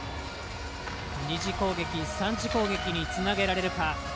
２次攻撃３次攻撃につなげられるか。